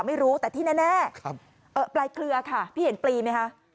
ไม่รู้แต่ที่แน่ปลายเครือค่ะพี่เห็นปลีไหมคะ